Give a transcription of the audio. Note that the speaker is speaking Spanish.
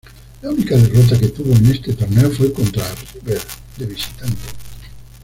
La única derrota que tuvo en este torneo fue contra River, de visitante.